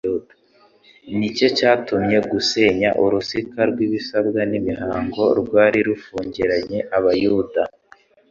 nicyo cyamutcye gusenya urusika rw'ibisabwa n'imihango rwari rufungiranye abayuda.